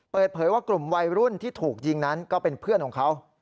เปิดเผยว่ากลุ่มวัยรุ่นที่ถูกยิงนั้นก็เป็นเพื่อนของเขา